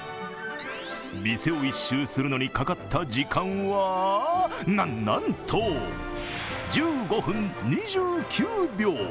店を１周するのにかかった時間は、な、なんと１５分２９秒。